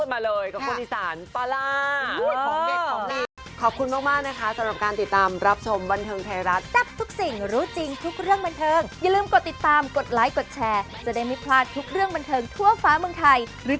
อยากให้รู้มันชอบมากมันบังอิริเหมือนกันอะไรขูชอบศัยกรรมต้องควบคุกกันมาเลย